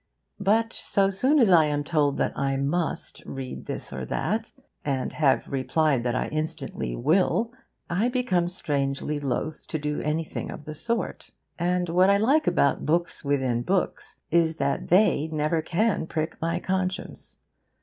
But so soon as I am told that I 'must' read this or that, and have replied that I instantly will, I become strangely loth to do anything of the sort. And what I like about books within books is that they never can prick my conscience.